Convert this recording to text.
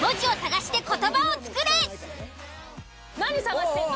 何探してんの？